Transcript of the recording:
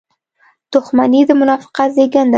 • دښمني د منافقت زېږنده ده.